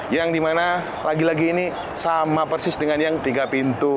yang dimana lagi lagi ini sama persis dengan yang tiga pintu